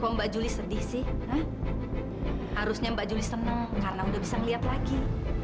kok mbak juli sedih sih harusnya mbak juli senang karena udah bisa ngeliat lagi